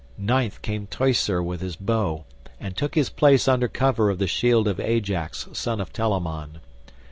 Ninth came Teucer with his bow, and took his place under cover of the shield of Ajax son of Telamon.